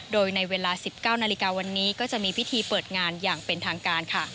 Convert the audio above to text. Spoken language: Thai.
โดยในเวลา๑๙นาฬิกาวันนี้ก็จะมีพิธีเปิดงานอย่างเป็นทางการค่ะ